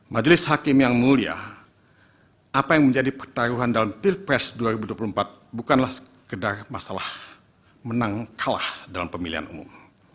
majelis hakim yang mulia apa yang menjadi pertaruhan dalam pilpres dua ribu dua puluh empat bukanlah sekedar masalah menang kalah dalam pemilihan umum